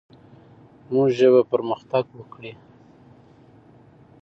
زموږ ژبه پرمختګ وکړي.